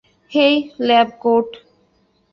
হেই, ল্যাবকোট।